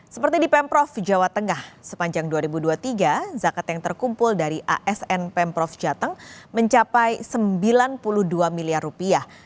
seperti di pemprov jawa tengah sepanjang dua ribu dua puluh tiga zakat yang terkumpul dari asn pemprov jateng mencapai sembilan puluh dua miliar rupiah